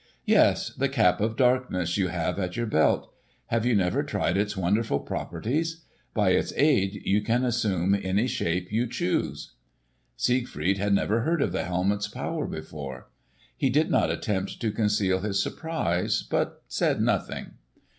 "Yes, the cap of darkness you have at your belt. Have you never tried its wonderful properties? By its aid you can assume any shape you choose." Siegfried had never heard of the helmet's power before. He did not attempt to conceal his surprise, but said nothing.